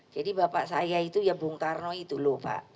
jadi bapak saya itu ya bung tarno itu lho pak